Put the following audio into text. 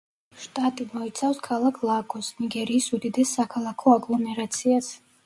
შტატი მოიცავს ქალაქ ლაგოსს, ნიგერიის უდიდეს საქალაქო აგლომერაციას.